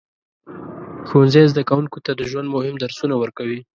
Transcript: ښوونځی زده کوونکو ته د ژوند مهم درسونه ورکوي.